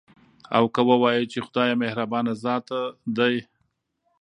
او که ووايو، چې خدايه مهربانه ذاته ده